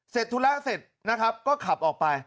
ธุระเสร็จนะครับก็ขับออกไป